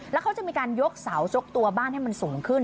แล้วเขาจะมีการยกเสายกตัวบ้านให้มันสูงขึ้น